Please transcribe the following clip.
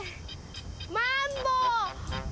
マンボウ。